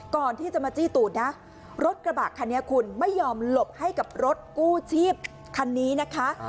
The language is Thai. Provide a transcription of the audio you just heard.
ก่อนที่จะมาจี้ตูดนะรถกระบะคันนี้คุณไม่ยอมหลบให้กับรถกู้ชีพคันนี้นะคะ